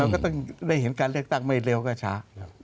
ก็ต้องได้เห็นการเลือกตั้งไม่เร็วก็ช้า